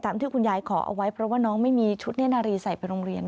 ที่คุณยายขอเอาไว้เพราะว่าน้องไม่มีชุดเน่นนารีใส่ไปโรงเรียน